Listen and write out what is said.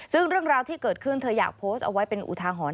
ซึ่งเรื่องราวที่เกิดขึ้นเธออยากโพสต์เอาไว้เป็นอุทาหรณ์